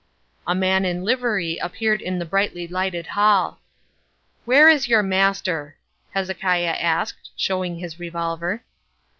A man in livery appeared in the brightly lighted hall. "Where is your master?" Hezekiah asked, showing his revolver.